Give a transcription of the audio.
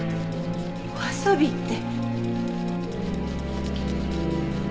お遊びって！